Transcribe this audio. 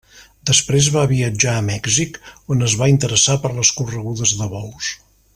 Després va viatjar a Mèxic, on es va interessar per les corregudes de bous.